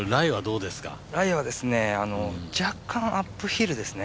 ライは若干、アップヒルですね。